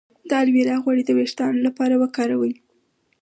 د الوویرا غوړي د ویښتو لپاره وکاروئ